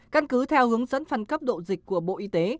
căn cứ theo hướng dẫn phân cấp độ dịch của bộ y tế